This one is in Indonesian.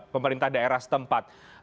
pemerintah daerah setempat